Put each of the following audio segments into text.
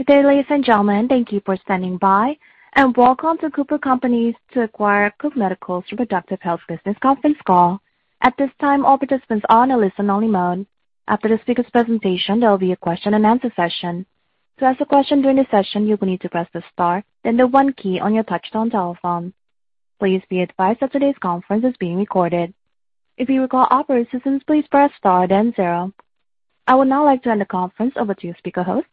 Good day, ladies and gentlemen. Thank you for standing by and welcome to The Cooper Companies to Acquire Cook Medical's Reproductive Health Business conference call. At this time, all participants are in a listen-only mode. After the speaker's presentation, there will be a Q&A session. To ask a question during the session, you will need to press the star, then the one key on your touchtone telephone. Please be advised that today's conference is being recorded. If you require operator assistance, please press star then zero. I would now like to hand the conference over to your speaker host,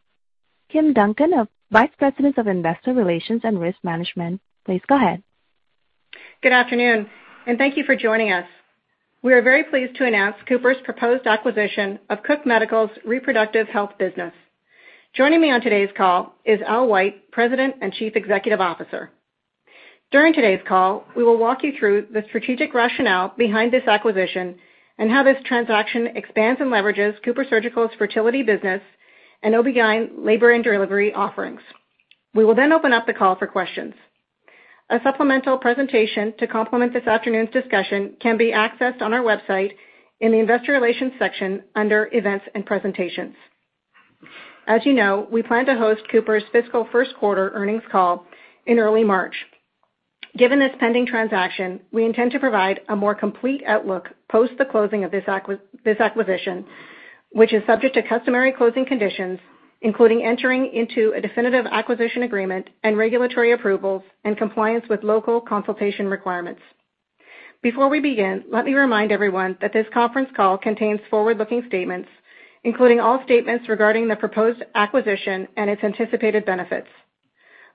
Kim Duncan, Vice President of Investor Relations and Risk Management. Please go ahead. Good afternoon and thank you for joining us. We are very pleased to announce Cooper's proposed acquisition of Cook Medical's Reproductive Health business. Joining me on today's call is Al White, President and Chief Executive Officer. During today's call, we will walk you through the strategic rationale behind this acquisition and how this transaction expands and leverages CooperSurgical's fertility business and OBGYN labor and delivery offerings. We will then open up the call for questions. A supplemental presentation to complement this afternoon's discussion can be accessed on our website in the Investor Relations section under Events and Presentations. As you know, we plan to host Cooper's fiscal first quarter earnings call in early March. Given this pending transaction, we intend to provide a more complete outlook post the closing of this acquisition, which is subject to customary closing conditions, including entering into a definitive acquisition agreement and regulatory approvals and compliance with local consultation requirements. Before we begin, let me remind everyone that this conference call contains forward-looking statements, including all statements regarding the proposed acquisition and its anticipated benefits.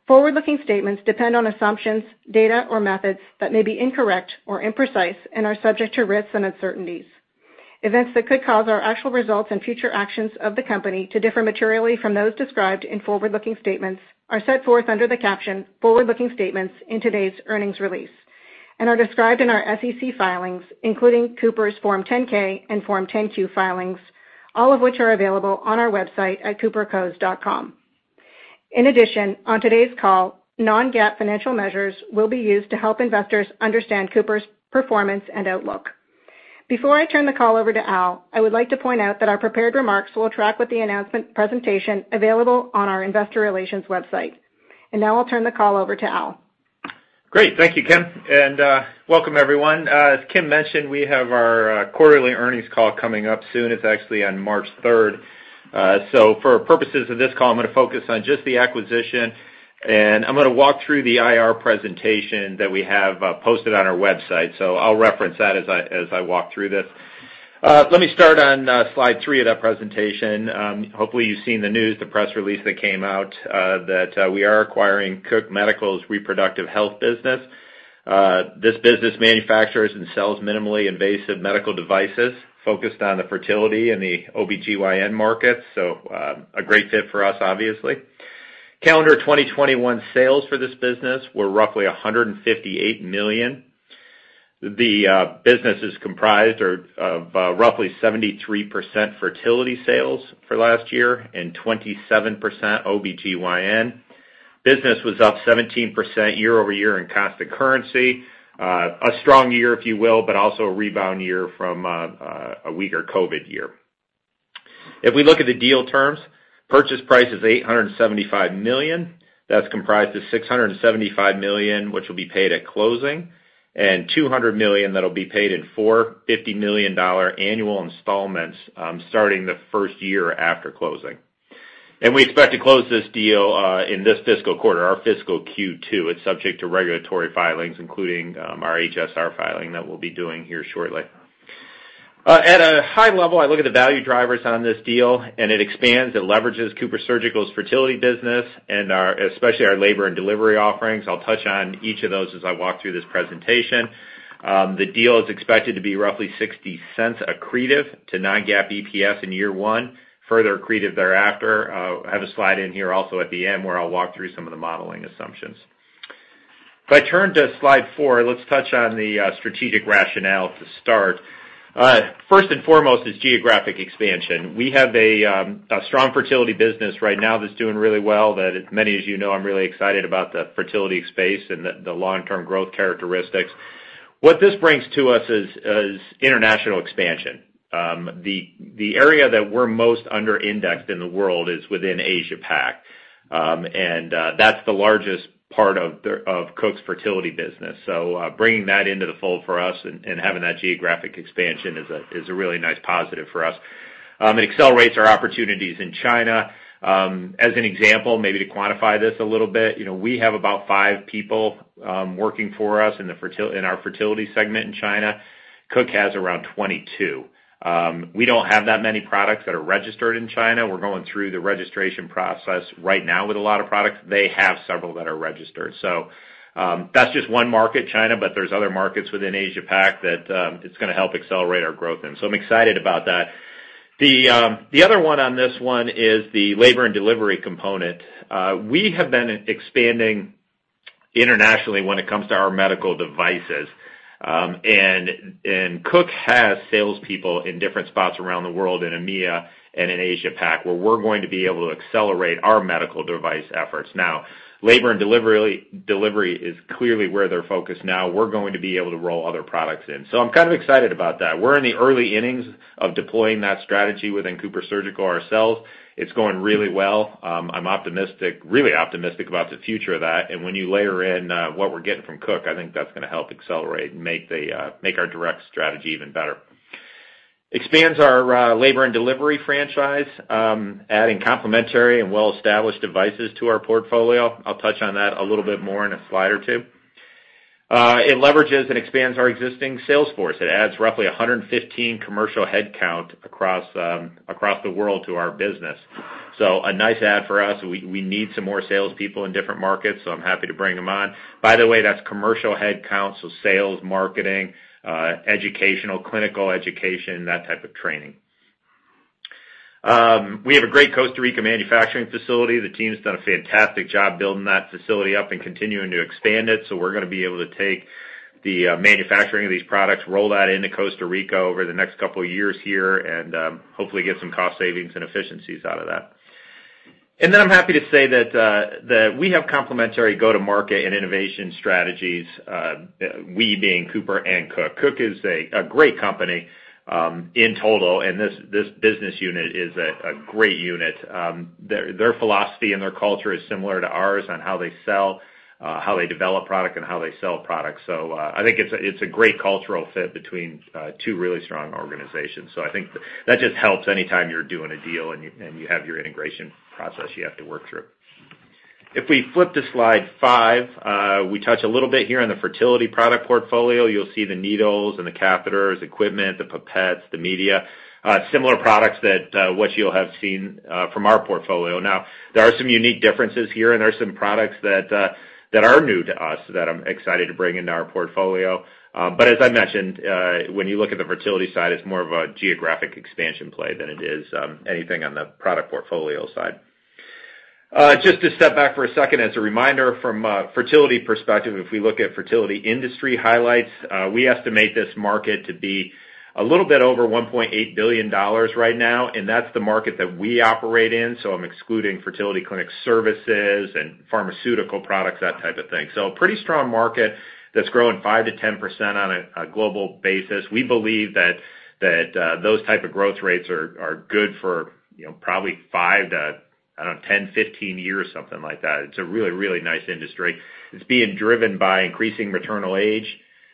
Forward-looking statements depend on assumptions, data or methods that may be incorrect or imprecise and are subject to risks and uncertainties. Events that could cause our actual results and future actions of the company to differ materially from those described in forward-looking statements are set forth under the caption Forward Looking Statements in today's earnings release and are described in our SEC filings, including Cooper's Form 10-K and Form 10-Q filings, all of which are available on our website at coopercos.com. In addition, on today's call, non-GAAP financial measures will be used to help investors understand Cooper's performance and outlook. Before I turn the call over to Al, I would like to point out that our prepared remarks will track with the announcement presentation available on our investor relations website. Now I'll turn the call over to Al. Great. Thank you, Kim, and welcome everyone. As Kim mentioned, we have our quarterly earnings call coming up soon. It's actually on March third. For purposes of this call, I'm gonna focus on just the acquisition, and I'm gonna walk through the IR presentation that we have posted on our website. I'll reference that as I walk through this. Let me start on slide 3 of that presentation. Hopefully you've seen the news, the press release that came out that we are acquiring Cook Medical's Reproductive Health business. This business manufactures and sells minimally invasive medical devices focused on the fertility and the OBGYN markets. A great fit for us, obviously. Calendar 2021 sales for this business were roughly $158 million. The business is comprised of roughly 73% fertility sales for last year and 27% OBGYN. Business was up 17% year-over-year in constant currency. A strong year, if you will, but also a rebound year from a weaker COVID year. If we look at the deal terms, purchase price is $875 million. That's comprised of $675 million, which will be paid at closing, and $200 million that'll be paid in four $50 million dollar annual installments, starting the first year after closing. We expect to close this deal in this fiscal quarter, our fiscal Q2. It's subject to regulatory filings, including our HSR filing that we'll be doing here shortly. At a high level, I look at the value drivers on this deal, and it expands, it leverages CooperSurgical's fertility business and our, especially our labor and delivery offerings. I'll touch on each of those as I walk through this presentation. The deal is expected to be roughly $0.60 accretive to non-GAAP EPS in year 1, further accretive thereafter. I have a slide in here also at the end where I'll walk through some of the modeling assumptions. If I turn to slide 4, let's touch on the strategic rationale to start. First and foremost is geographic expansion. We have a strong fertility business right now that's doing really well, that, as many of you know, I'm really excited about the fertility space and the long-term growth characteristics. What this brings to us is international expansion. The area that we're most under-indexed in the world is within Asia-Pac. That's the largest part of Cook Medical's fertility business. Bringing that into the fold for us and having that geographic expansion is a really nice positive for us. It accelerates our opportunities in China. As an example, maybe to quantify this a little bit, you know, we have about five people working for us in our fertility segment in China. Cook Medical has around 22. We don't have that many products that are registered in China. We're going through the registration process right now with a lot of products. They have several that are registered. That's just one market, China, but there are other markets within Asia-Pac that it's gonna help accelerate our growth. I'm excited about that. The other one on this one is the labor and delivery component. We have been expanding internationally when it comes to our medical devices. And Cook has salespeople in different spots around the world in EMEA and in Asia Pac, where we're going to be able to accelerate our medical device efforts. Now, labor and delivery is clearly where they're focused now. We're going to be able to roll other products in. I'm kind of excited about that. We're in the early innings of deploying that strategy within CooperSurgical ourselves. It's going really well. I'm optimistic, really optimistic about the future of that. When you layer in what we're getting from Cook, I think that's gonna help accelerate and make our direct strategy even better. Expands our labor and delivery franchise, adding complementary and well-established devices to our portfolio. I'll touch on that a little bit more in a slide or two. It leverages and expands our existing sales force. It adds roughly 115 commercial headcount across the world to our business. A nice add for us. We need some more sales people in different markets, so I'm happy to bring them on. By the way, that's commercial headcounts, so sales, marketing, educational, clinical education, that type of training. We have a great Costa Rica manufacturing facility. The team has done a fantastic job building that facility up and continuing to expand it. We're gonna be able to take the manufacturing of these products, roll that into Costa Rica over the next couple of years here, and hopefully get some cost savings and efficiencies out of that. I'm happy to say that we have complementary go-to-market and innovation strategies, we being Cooper and Cook. Cook is a great company in total, and this business unit is a great unit. Their philosophy and their culture is similar to ours on how they sell, how they develop product, and how they sell product. I think it's a great cultural fit between two really strong organizations. I think that just helps anytime you're doing a deal and you have your integration process you have to work through. If we flip to slide 5, we touch a little bit here on the fertility product portfolio. You'll see the needles and the catheters, equipment, the pipettes, the media, similar products that what you'll have seen from our portfolio. Now, there are some unique differences here, and there are some products that are new to us that I'm excited to bring into our portfolio. As I mentioned, when you look at the fertility side, it's more of a geographic expansion play than it is anything on the product portfolio side. Just to step back for a second, as a reminder from a fertility perspective, if we look at fertility industry highlights, we estimate this market to be a little bit over $1.8 billion right now, and that's the market that we operate in, so I'm excluding fertility clinic services and pharmaceutical products, that type of thing. A pretty strong market that's growing 5%-10% on a global basis. We believe that those type of growth rates are good for, you know, probably 5 to, I don't know, 10, 15 years, something like that. It's a really nice industry. It's being driven by increasing maternal age,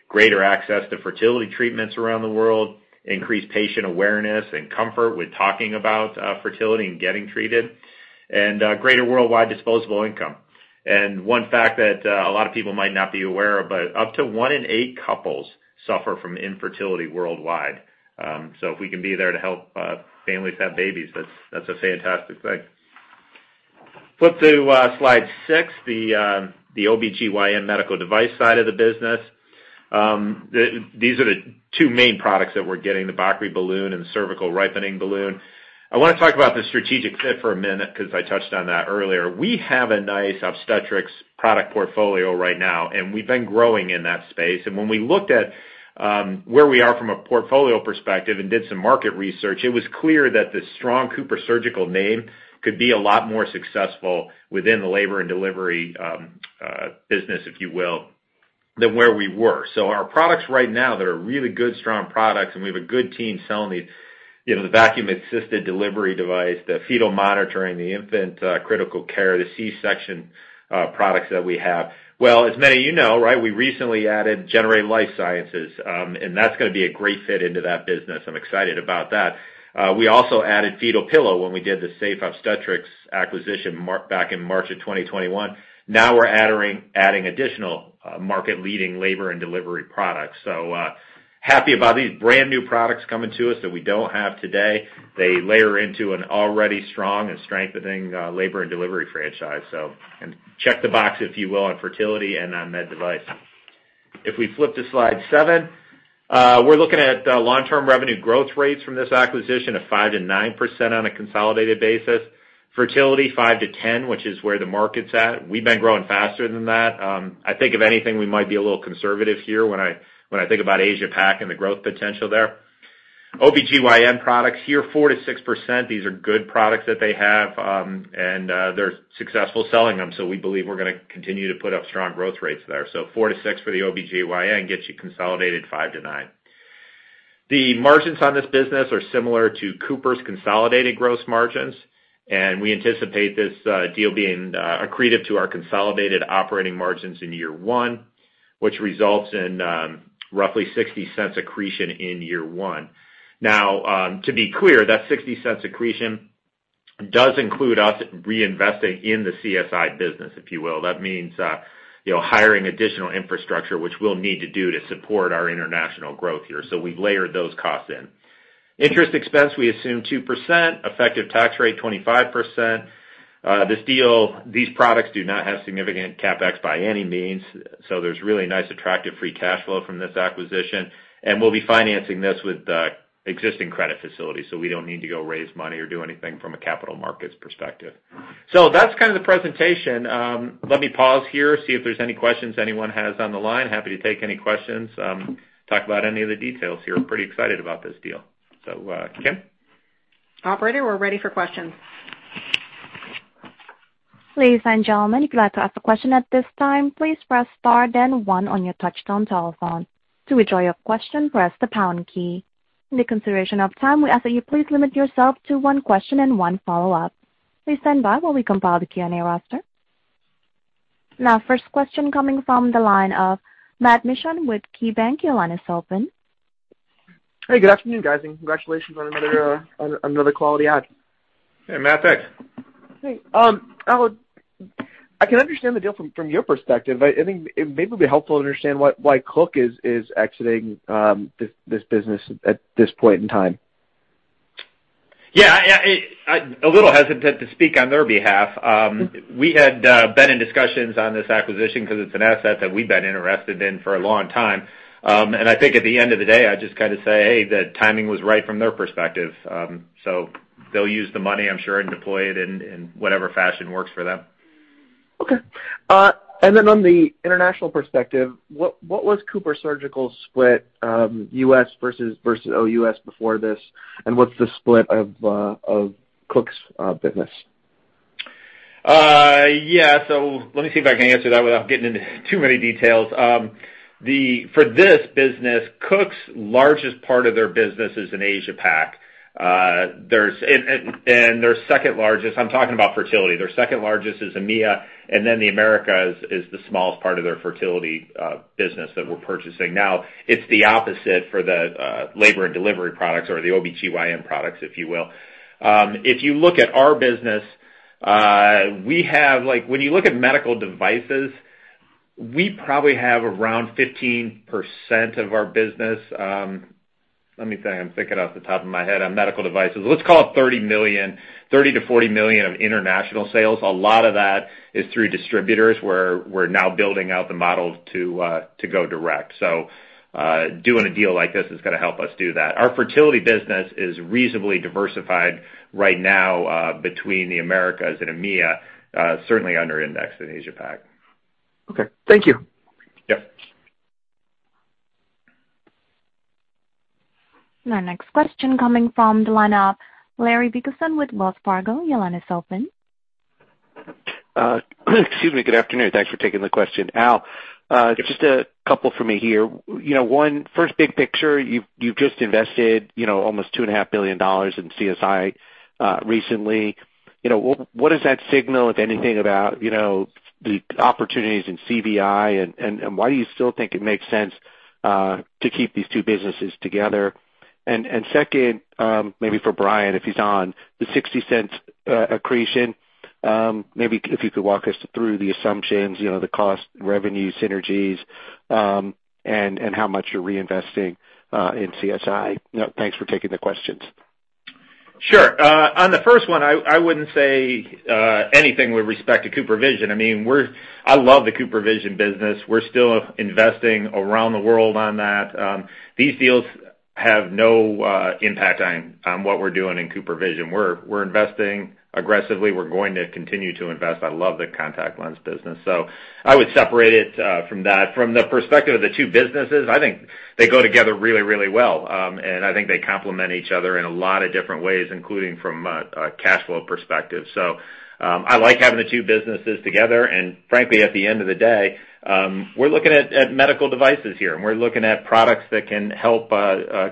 greater access to fertility treatments around the world, increased patient awareness and comfort with talking about fertility and getting treated, and greater worldwide disposable income. One fact that a lot of people might not be aware of, but up to one in eight couples suffer from infertility worldwide. So if we can be there to help families have babies, that's a fantastic thing. Flip to slide 6, the OBGYN medical device side of the business. These are the two main products that we're getting, the Bakri balloon and cervical ripening balloon. I wanna talk about the strategic fit for a minute 'cause I touched on that earlier. We have a nice obstetrics product portfolio right now, and we've been growing in that space. When we looked at where we are from a portfolio perspective and did some market research, it was clear that the strong CooperSurgical name could be a lot more successful within the labor and delivery business, if you will, than where we were. Our products right now that are really good, strong products, and we have a good team selling these, you know, the vacuum-assisted delivery device, the fetal monitoring, the infant critical care, the C-section products that we have. Well, as many of you know, right, we recently added Generate Life Sciences, and that's gonna be a great fit into that business. I'm excited about that. We also added Fetal Pillow when we did the Safe Obstetric Systems acquisition back in March 2021. Now we're adding additional market-leading labor and delivery products. Happy about these brand-new products coming to us that we don't have today. They layer into an already strong and strengthening labor and delivery franchise. Check the box, if you will, on fertility and on med device. If we flip to slide 7, we're looking at long-term revenue growth rates from this acquisition of 5%-9% on a consolidated basis. Fertility, 5%-10%, which is where the market's at. We've been growing faster than that. I think if anything, we might be a little conservative here when I think about Asia Pac and the growth potential there. OBGYN products here, 4%-6%. These are good products that they have, and they're successful selling them, so we believe we're gonna continue to put up strong growth rates there. 4%-6% for the OBGYN gets you consolidated 5%-9%. The margins on this business are similar to Cooper's consolidated gross margins, and we anticipate this deal being accretive to our consolidated operating margins in year one, which results in roughly $0.60 accretion in year one. Now, to be clear, that $0.60 accretion does include us reinvesting in the CSI business, if you will. That means, you know, hiring additional infrastructure, which we'll need to do to support our international growth here. We've layered those costs in. Interest expense, we assume 2%. Effective tax rate, 25%. This deal, these products do not have significant CapEx by any means, so there's really nice, attractive free cash flow from this acquisition. We'll be financing this with existing credit facilities, so we don't need to go raise money or do anything from a capital markets perspective. That's kind of the presentation. Let me pause here, see if there's any questions anyone has on the line. Happy to take any questions, talk about any of the details here. I'm pretty excited about this deal. Kim? Operator, we're ready for questions. Ladies and gentlemen, if you'd like to ask a question at this time, please press star then one on your touchtone telephone. To withdraw your question, press the pound key. In consideration of time, we ask that you please limit yourself to one question and one follow-up. Please stand by while we compile the Q&A roster. Now, first question coming from the line of Matt Mishan with KeyBanc, your line is open. Hey, good afternoon, guys, and congratulations on another quality ad. Hey, Matt, thanks. Hey, Al, I can understand the deal from your perspective. I think it may be helpful to understand what, why Cook is exiting this business at this point in time. Yeah, yeah. I'm a little hesitant to speak on their behalf. We had been in discussions on this acquisition 'cause it's an asset that we've been interested in for a long time. I think at the end of the day, I'd just kinda say that timing was right from their perspective. They'll use the money, I'm sure, and deploy it in whatever fashion works for them. Okay. Then on the international perspective, what was CooperSurgical's split, U.S. versus OUS before this and what's the split of Cook Medical's business? Yeah, let me see if I can answer that without getting into too many details. For this business, Cook's largest part of their business is in Asia Pac. Their second largest, I'm talking about fertility, is EMEA, and then the Americas is the smallest part of their fertility business that we're purchasing. Now, it's the opposite for the labor and delivery products or the OBGYN products, if you will. If you look at our business, we have, like when you look at medical devices, we probably have around 15% of our business. Let me think. I'm thinking off the top of my head on medical devices. Let's call it $30 million, $30-$40 million of international sales. A lot of that is through distributors, where we're now building out the model to go direct. Doing a deal like this is gonna help us do that. Our fertility business is reasonably diversified right now, between the Americas and EMEA, certainly under indexed in Asia Pac. Okay. Thank you. Yep. Our next question coming from the line of Larry Biegelsen with Wells Fargo. Your line is open. Excuse me. Good afternoon. Thanks for taking the question. Al, Yes. Just a couple for me here. You know, one, first big picture, you've just invested, you know, almost $2.5 billion in CSI recently. You know, what does that signal, if anything, about, you know, the opportunities in CVI? And why do you still think it makes sense to keep these two businesses together? And second, maybe for Brian, if he's on, the $0.60 accretion, maybe if you could walk us through the assumptions, you know, the cost revenue synergies, and how much you're reinvesting in CSI. You know, thanks for taking the questions. Sure. On the first one, I wouldn't say anything with respect to CooperVision. I mean, I love the CooperVision business. We're still investing around the world on that. These deals have no impact on what we're doing in CooperVision. We're investing aggressively. We're going to continue to invest. I love the contact lens business. I would separate it from that. From the perspective of the two businesses, I think they go together really well, and I think they complement each other in a lot of different ways, including from a cash flow perspective. I like having the two businesses together. Frankly, at the end of the day, we're looking at medical devices here, and we're looking at products that can help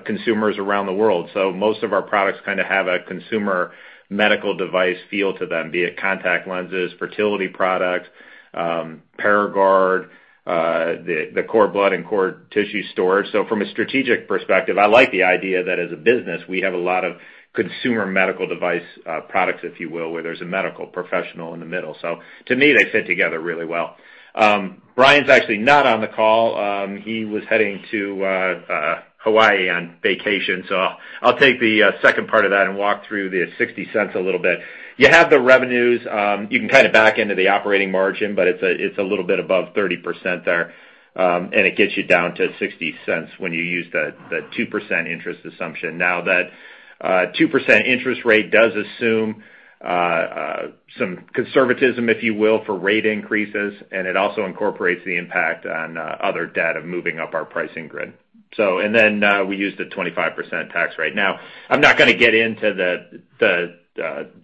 consumers around the world. Most of our products kinda have a consumer medical device feel to them, be it contact lenses, fertility products, Paragard, cord blood and cord tissue storage. From a strategic perspective, I like the idea that as a business, we have a lot of consumer medical device products, if you will, where there's a medical professional in the middle. To me, they fit together really well. Brian's actually not on the call. He was heading to Hawaii on vacation. I'll take the second part of that and walk through the $0.60 a little bit. You have the revenues. You can kinda back into the operating margin, but it's a little bit above 30% there. It gets you down to $0.60 when you use the 2% interest assumption. Now, that 2% interest rate does assume some conservatism, if you will, for rate increases, and it also incorporates the impact on other data moving up our pricing grid. We use the 25% tax rate. Now, I'm not gonna get into the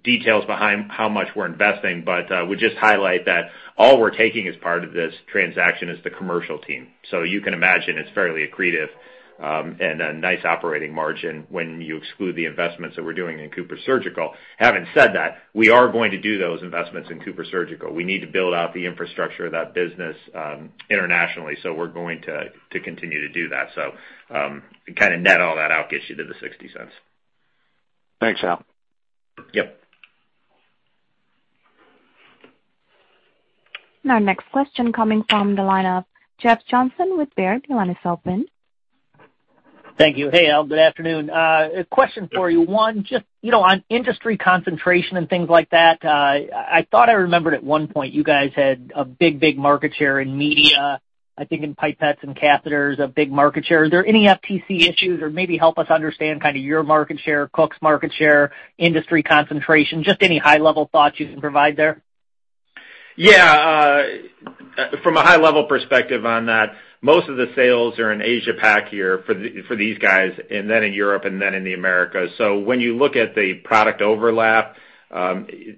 details behind how much we're investing, but would just highlight that all we're taking as part of this transaction is the commercial team. You can imagine it's fairly accretive, and a nice operating margin when you exclude the investments that we're doing in CooperSurgical. Having said that, we are going to do those investments in CooperSurgical. We need to build out the infrastructure of that business internationally, so we're going to continue to do that. You kinda net all that out, gets you to the $0.60. Thanks, Al. Yep. Our next question coming from the line of Jeff Johnson with Baird. Your line is open. Thank you. Hey, Al, good afternoon. A question for you. One, just, you know, on industry concentration and things like that, I thought I remembered at one point you guys had a big market share in media, I think in pipettes and catheters, a big market share. Are there any FTC issues? Or maybe help us understand kinda your market share, Cook's market share, industry concentration, just any high level thoughts you can provide there. Yeah. From a high level perspective on that, most of the sales are in Asia Pac here for these guys and then in Europe and then in the Americas. When you look at the product overlap,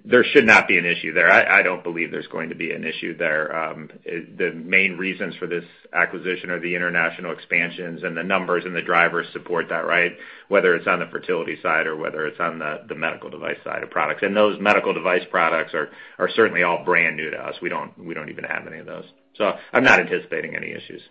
there should not be an issue there. I don't believe there's going to be an issue there. The main reasons for this acquisition are the international expansions and the numbers and the drivers support that, right? Whether it's on the fertility side or whether it's on the medical device side of products. Those medical device products are certainly all brand new to us. We don't even have any of those. I'm not anticipating any issues. Okay.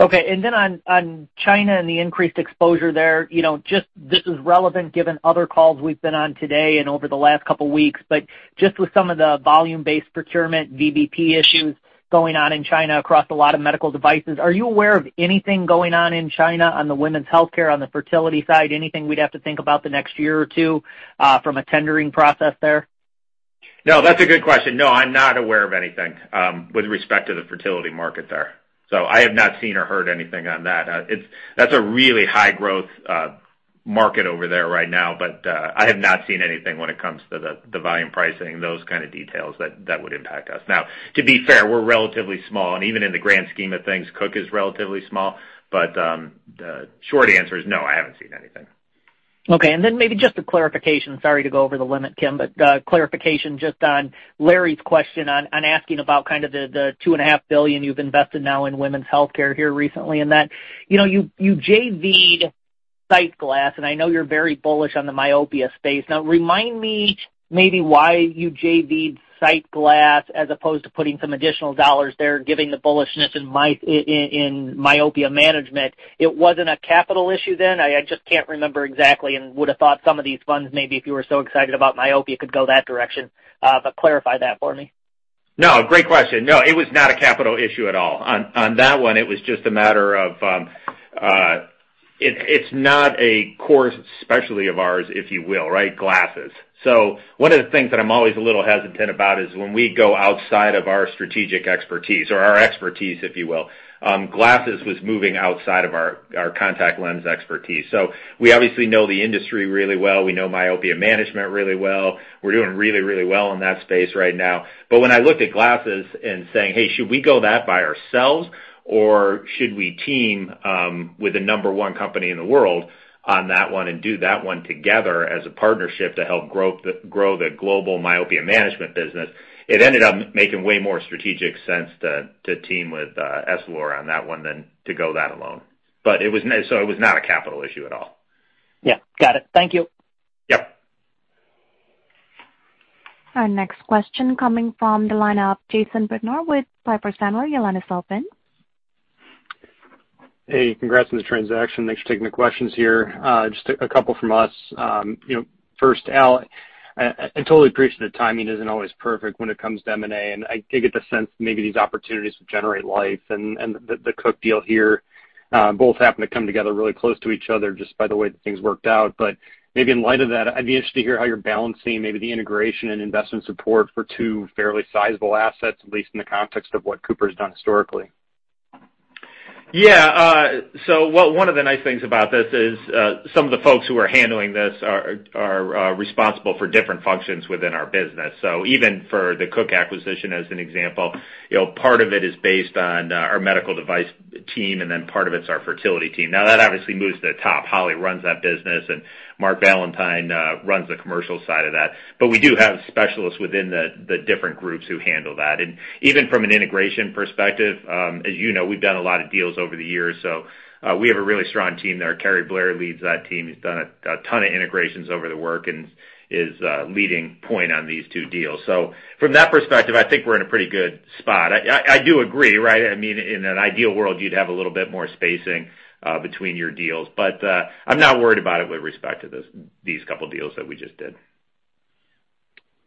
On China and the increased exposure there, you know, just this is relevant given other calls we've been on today and over the last couple weeks, but just with some of the volume-based procurement, VBP issues going on in China across a lot of medical devices, are you aware of anything going on in China on the women's healthcare, on the fertility side? Anything we'd have to think about the next year or two from a tendering process there? No, that's a good question. No, I'm not aware of anything with respect to the fertility market there. I have not seen or heard anything on that. It's a really high growth market over there right now, but I have not seen anything when it comes to the volume pricing, those kind of details that would impact us. Now, to be fair, we're relatively small, and even in the grand scheme of things, Cook is relatively small. The short answer is no, I haven't seen anything. Okay. Maybe just a clarification. Sorry to go over the limit, Kim, but clarification just on Larry's question on asking about kind of the $2.5 billion you've invested now in women's healthcare here recently and that. You know, you JV'd SightGlass, and I know you're very bullish on the myopia space. Now remind me maybe why you JV'd SightGlass as opposed to putting some additional dollars there, given the bullishness in myopia management. It wasn't a capital issue then? I just can't remember exactly and would have thought some of these funds, maybe if you were so excited about myopia, could go that direction. Clarify that for me. No, great question. No, it was not a capital issue at all. On that one, it was just a matter of, it's not a core specialty of ours, if you will, right? Glasses. So one of the things that I'm always a little hesitant about is when we go outside of our strategic expertise or our expertise, if you will, glasses was moving outside of our contact lens expertise. So we obviously know the industry really well. We know myopia management really well. We're doing really well in that space right now. When I looked at glasses and saying, "Hey, should we go that by ourselves, or should we team with the number one company in the world on that one and do that one together as a partnership to help grow the global myopia management business?" It ended up making way more strategic sense to team with Essilor on that one than to go that alone. So it was not a capital issue at all. Yeah. Got it. Thank you. Yep. Our next question coming from the line of Jason Bednar with Piper Sandler. Your line is open. Hey, congrats on the transaction. Thanks for taking the questions here. Just a couple from us. You know, first, Al, I totally appreciate the timing isn't always perfect when it comes to M&A, and I get the sense maybe these opportunities to Generate Life and the Cook deal here both happen to come together really close to each other just by the way that things worked out. Maybe in light of that, I'd be interested to hear how you're balancing maybe the integration and investment support for two fairly sizable assets, at least in the context of what Cooper's done historically. One of the nice things about this is some of the folks who are handling this are responsible for different functions within our business. Even for the Cook acquisition, as an example, you know, part of it is based on our medical device team, and then part of it's our fertility team. Now, that obviously moves to the top. Holly runs that business, and Mark Valentine runs the commercial side of that. We do have specialists within the different groups who handle that. Even from an integration perspective, as you know, we've done a lot of deals over the years, so we have a really strong team there. Kerry Blair leads that team. He's done a ton of integrations over the years and is leading point on these two deals. From that perspective, I think we're in a pretty good spot. I do agree, right? I mean, in an ideal world, you'd have a little bit more spacing between your deals. I'm not worried about it with respect to this, these couple deals that we just did.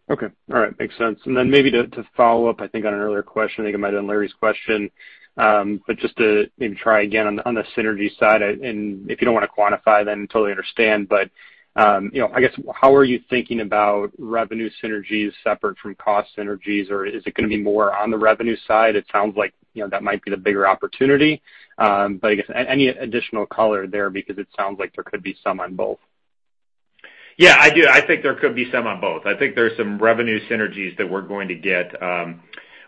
Okay. All right. Makes sense. Maybe to follow up, I think on an earlier question, I think it might have been Larry's question. Just to maybe try again on the synergy side, and if you don't wanna quantify, then totally understand. You know, I guess, how are you thinking about revenue synergies separate from cost synergies? Or is it gonna be more on the revenue side? It sounds like, you know, that might be the bigger opportunity. I guess any additional color there because it sounds like there could be some on both. Yeah, I do. I think there could be some on both. I think there's some revenue synergies that we're going to get.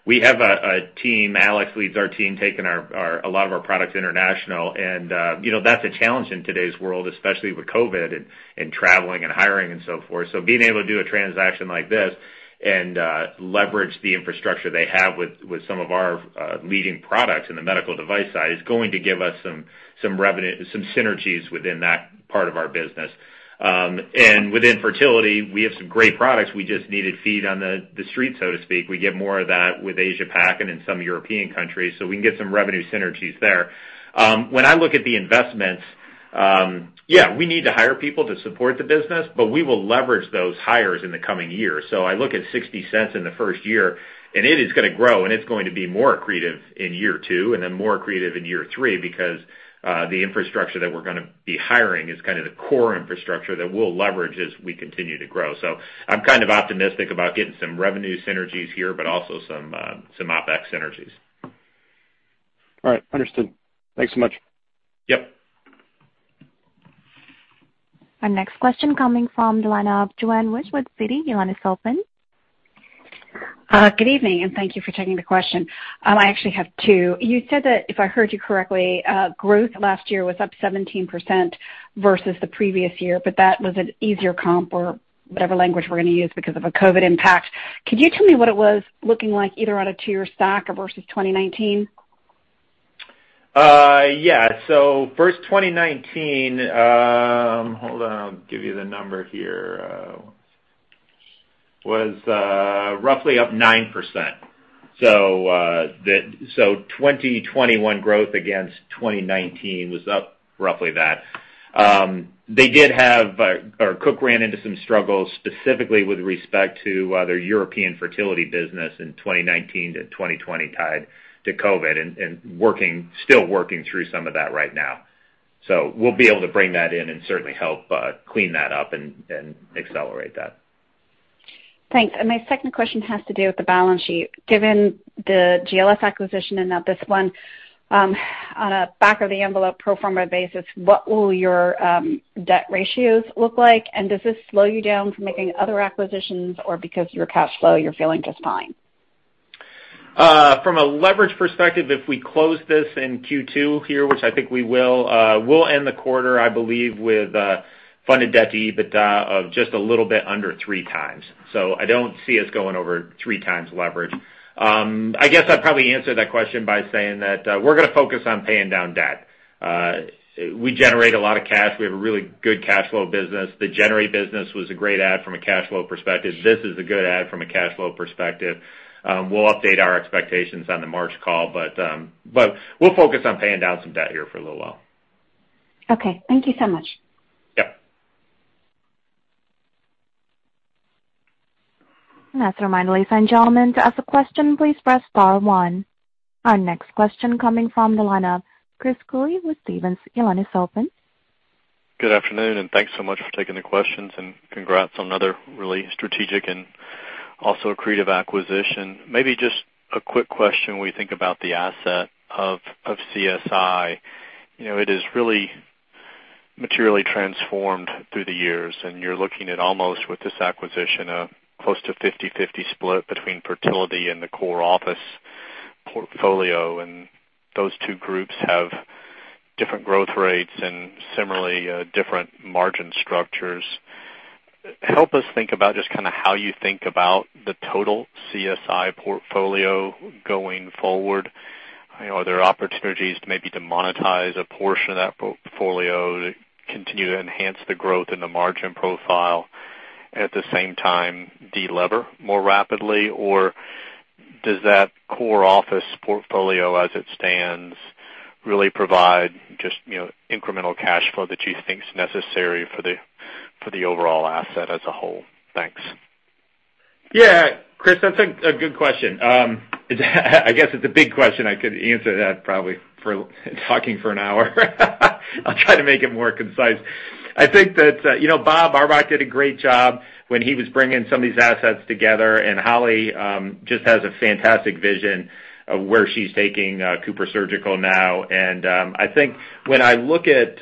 We have a team, Alex leads our team, taking a lot of our products international. You know, that's a challenge in today's world, especially with COVID and traveling and hiring and so forth. Being able to do a transaction like this and leverage the infrastructure they have with some of our leading products in the medical device side is going to give us some synergies within that part of our business. Within fertility, we have some great products. We just needed feet on the street, so to speak. We get more of that with Asia Pac and in some European countries, so we can get some revenue synergies there. When I look at the investments, yeah, we need to hire people to support the business, but we will leverage those hires in the coming years. I look at $0.60 in the first year, and it is gonna grow, and it's going to be more accretive in year two and then more accretive in year three because the infrastructure that we're gonna be hiring is kind of the core infrastructure that we'll leverage as we continue to grow. I'm kind of optimistic about getting some revenue synergies here, but also some OpEx synergies. All right. Understood. Thanks so much. Yep. Our next question coming from the line of Joanne Wuensch with Citi. Your line is open. Good evening, and thank you for taking the question. I actually have two. You said that, if I heard you correctly, growth last year was up 17% versus the previous year, but that was an easier comp or whatever language we're gonna use because of a COVID impact. Could you tell me what it was looking like either on a 2-year stack or versus 2019? For 2019 was roughly up 9%. 2021 growth against 2019 was up roughly that. They did have or Cook ran into some struggles specifically with respect to their European fertility business in 2019-2020 tied to COVID and still working through some of that right now. We'll be able to bring that in and certainly help clean that up and accelerate that. Thanks. My second question has to do with the balance sheet. Given the GLS acquisition and now this one, on a back of the envelope pro forma basis, what will your debt ratios look like? Does this slow you down from making other acquisitions or because of your cash flow, you're feeling just fine? From a leverage perspective, if we close this in Q2 here, which I think we will, we'll end the quarter, I believe, with funded debt to EBITDA of just a little bit under three times. I don't see us going over three times leverage. I guess I'd probably answer that question by saying that we're gonna focus on paying down debt. We generate a lot of cash. We have a really good cash flow business. The Generate business was a great add from a cash flow perspective. This is a good add from a cash flow perspective. We'll update our expectations on the March call, but we'll focus on paying down some debt here for a little while. Okay. Thank you so much. Yep. As a reminder, ladies and gentlemen, to ask a question, please press star one. Our next question coming from the line of Chris Cooley with Stephens. Your line is open. Good afternoon, and thanks so much for taking the questions. Congrats on another really strategic and also accretive acquisition. Maybe just a quick question when you think about the asset of CSI. You know, it has really materially transformed through the years, and you're looking at almost with this acquisition a close to 50/50 split between fertility and the core office portfolio, and those two groups have different growth rates and similarly, different margin structures. Help us think about just kinda how you think about the total CSI portfolio going forward. You know, are there opportunities maybe to monetize a portion of that portfolio to continue to enhance the growth in the margin profile, at the same time, de-lever more rapidly? Does that core office portfolio, as it stands, really provide just, you know, incremental cash flow that you think is necessary for the overall asset as a whole? Thanks. Yeah. Chris, that's a good question. I guess it's a big question. I could answer that probably for talking for an hour. I'll try to make it more concise. I think that, you know, Robert Auerbach did a great job when he was bringing some of these assets together, and Holly just has a fantastic vision of where she's taking CooperSurgical now. I think when I look at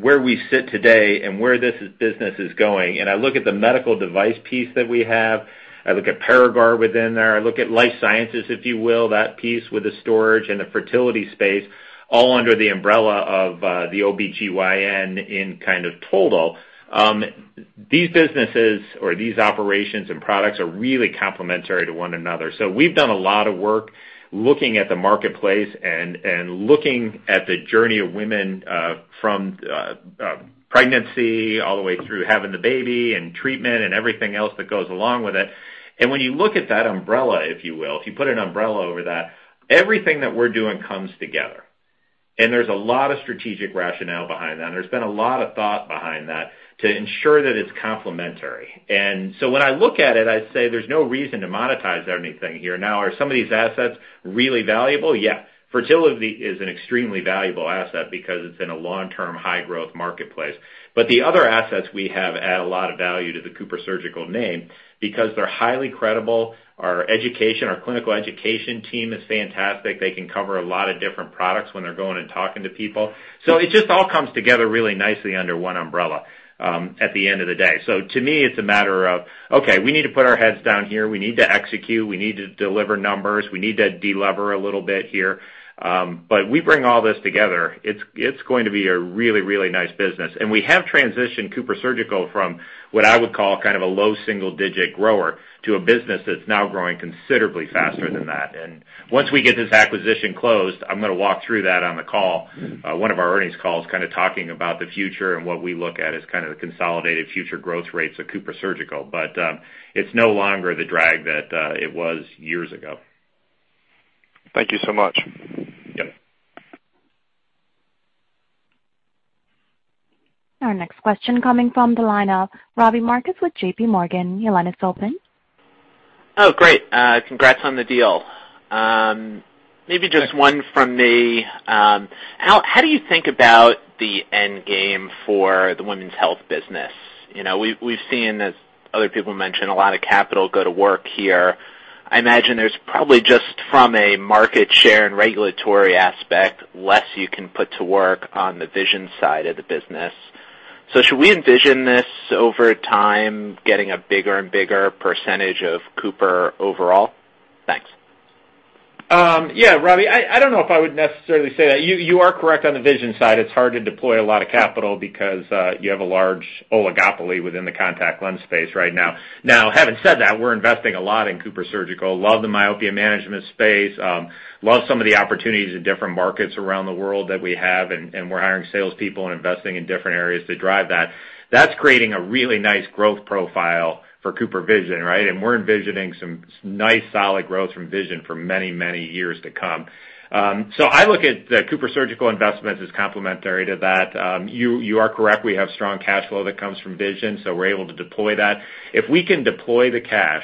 where we sit today and where this business is going, and I look at the medical device piece that we have, I look at Paragard within there, I look at life sciences, if you will, that piece with the storage and the fertility space, all under the umbrella of the OBGYN in kind of total. These businesses or these operations and products are really complementary to one another. We've done a lot of work looking at the marketplace and looking at the journey of women from pregnancy all the way through having the baby and treatment and everything else that goes along with it. When you look at that umbrella, if you will, if you put an umbrella over that, everything that we're doing comes together. There's a lot of strategic rationale behind that, and there's been a lot of thought behind that to ensure that it's complementary. When I look at it, I say there's no reason to monetize anything here. Now, are some of these assets really valuable? Yeah. Fertility is an extremely valuable asset because it's in a long-term high-growth marketplace. The other assets we have add a lot of value to the CooperSurgical name because they're highly credible. Our education, our clinical education team is fantastic. They can cover a lot of different products when they're going and talking to people. It just all comes together really nicely under one umbrella at the end of the day. To me, it's a matter of, okay, we need to put our heads down here. We need to execute. We need to deliver numbers. We need to de-lever a little bit here. We bring all this together, it's going to be a really, really nice business. We have transitioned CooperSurgical from what I would call kind of a low single-digit grower to a business that's now growing considerably faster than that. Once we get this acquisition closed, I'm gonna walk through that on the call, one of our earnings calls, kinda talking about the future and what we look at as kind of the consolidated future growth rates of CooperSurgical. It's no longer the drag that it was years ago. Thank you so much. Yep. Our next question coming from the line of Robbie Marcus with JPMorgan. Your line is open. Oh, great. Congrats on the deal. Maybe just one from me. How do you think about the end game for the women's health business? You know, we've seen, as other people mentioned, a lot of capital go to work here. I imagine there's probably just from a market share and regulatory aspect, less you can put to work on the vision side of the business. Should we envision this over time getting a bigger and bigger percentage of Cooper overall? Thanks. Yeah, Robbie, I don't know if I would necessarily say that. You are correct on the vision side, it's hard to deploy a lot of capital because you have a large oligopoly within the contact lens space right now. Now, having said that, we're investing a lot in CooperSurgical. Love the myopia management space, love some of the opportunities in different markets around the world that we have, and we're hiring salespeople and investing in different areas to drive that. That's creating a really nice growth profile for CooperVision, right? We're envisioning some nice solid growth from vision for many, many years to come. So I look at the CooperSurgical investments as complementary to that. You are correct, we have strong cash flow that comes from vision, so we're able to deploy that. If we can deploy the cash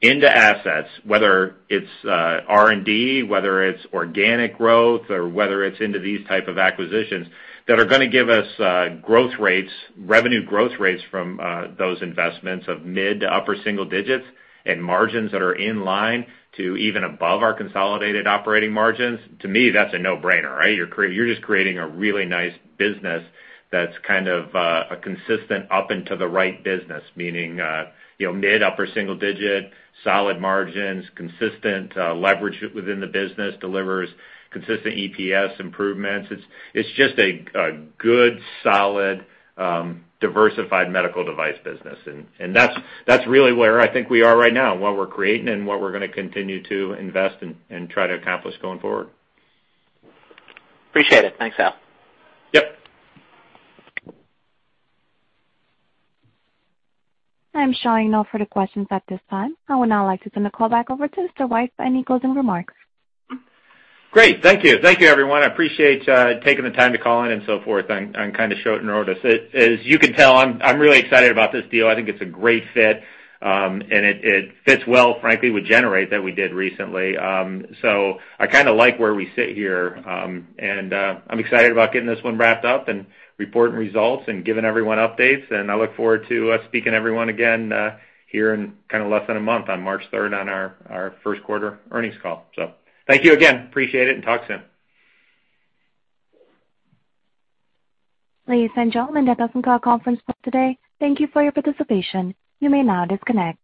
into assets, whether it's R&D, whether it's organic growth, or whether it's into these type of acquisitions that are gonna give us growth rates, revenue growth rates from those investments of mid- to upper-single-digit% and margins that are in line to even above our consolidated operating margins, to me, that's a no-brainer, right? You're just creating a really nice business that's kind of a consistent up and to the right business, meaning you know mid- upper-single-digit%, solid margins, consistent leverage within the business, delivers consistent EPS improvements. It's just a good, solid diversified medical device business. That's really where I think we are right now, what we're creating and what we're gonna continue to invest and try to accomplish going forward. Appreciate it. Thanks, Al. Yep. I'm showing no further questions at this time. I would now like to turn the call back over to Mr. White for any closing remarks. Great. Thank you. Thank you, everyone. I appreciate taking the time to call in and so forth on kind of short notice. As you can tell, I'm really excited about this deal. I think it's a great fit, and it fits well, frankly, with Generate that we did recently. I kinda like where we sit here, and I'm excited about getting this one wrapped up and reporting results and giving everyone updates. I look forward to speaking to everyone again here in kind of less than a month, on March third on our first quarter earnings call. Thank you again. Appreciate it, and talk soon. Ladies and gentlemen, that does end our conference call today. Thank you for your participation. You may now disconnect.